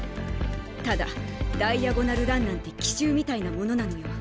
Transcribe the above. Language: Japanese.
ただダイアゴナル・ランなんて奇襲みたいなものなのよ。